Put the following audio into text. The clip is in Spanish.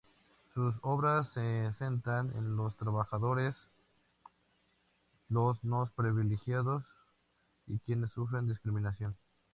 Sus obras se centran en los trabajadores, los no privilegiados y quienes sufren discriminación.